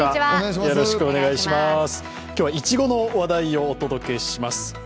今日は、いちごの話題をお届けします。